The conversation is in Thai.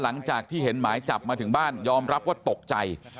หลังจากที่เห็นหมายจับมาถึงบ้านยอมรับว่าตกใจ